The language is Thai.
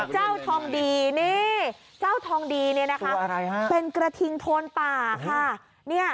เจ้าทองดีนี่นะคะเป็นกระทิงโทนป่าค่ะ